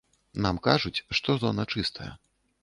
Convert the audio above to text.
Нам кажуць, што зона чыстая.